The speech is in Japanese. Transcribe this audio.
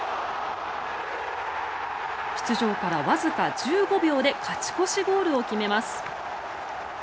出場からわずか１５秒で勝ち越しゴールを決めます。